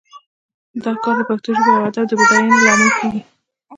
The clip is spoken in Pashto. دا کار د پښتو ژبې او ادب د بډاینې لامل کیږي